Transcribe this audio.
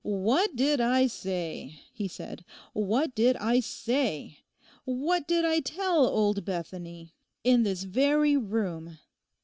'What did I say?' he said. 'What did I say? What did I tell old Bethany in this very room?